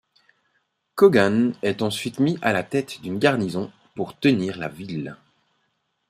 Cogan est ensuite mis à la tête d'une garnison pour tenir la ville.